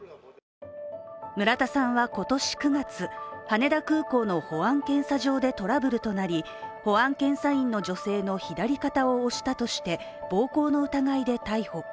村田さんは今年９月、羽田空港の保安検査場でトラブルとなり保安検査員の女性の左肩を押したとして暴行の疑いで逮捕。